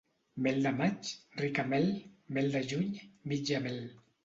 Mel de maig, rica mel; mel de juny, mitja mel.